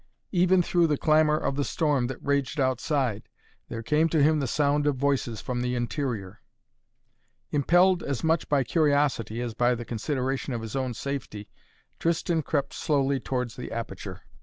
Even through the clamor of the storm that raged outside there came to him the sound of voices from the interior. Impelled as much by curiosity as by the consideration of his own safety Tristan crept slowly towards the aperture.